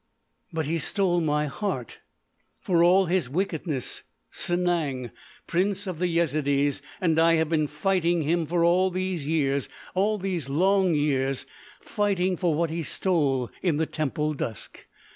But he—he stole my heart—for all his wickedness—Sanang, Prince of the Yezidees—and I have been fighting him for it all these years—all these long years—fighting for what he stole in the temple dusk!...